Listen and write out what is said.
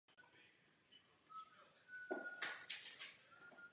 Ve městě je také Základní umělecká škola a několik mateřských škol.